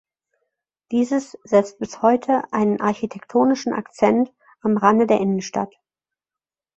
Dieses setzt bis heute einen architektonischen Akzent am Rande der Innenstadt.